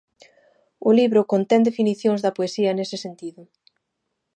O libro contén definicións da poesía nese sentido.